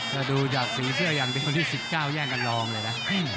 ถ้าดูจากสีเสื้ออย่างเดียวคนที่๑๙แย่งกันลองเลยนะ